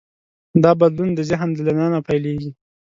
دا بدلون د ذهن له دننه پیلېږي.